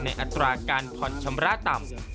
ในอัตราการพรชำระต่ำ